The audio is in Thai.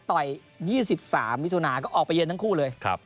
ต่อย๒๓มิถุนาก็ออกไปเยือนทั้งคู่เลย